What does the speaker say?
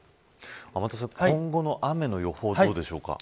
天達さん、今後の雨の予報はどうでしょうか。